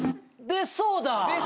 「出そうだ」？